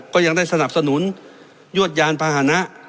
ก็ยังได้สนับสนุนยวดยานพาหนะ